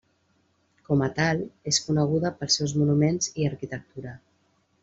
Com a tal, és coneguda pels seus monuments i arquitectura.